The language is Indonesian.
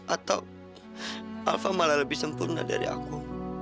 atau alfa malah lebih sempurna dari aku